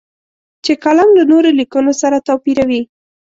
چې کالم له نورو لیکنو سره توپیروي.